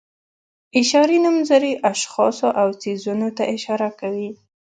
اشاري نومځري اشخاصو او څیزونو ته اشاره کوي.